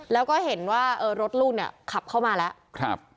แล้วก็เห็นว่ารถลูกเนี่ยขับเข้ามาแล้ว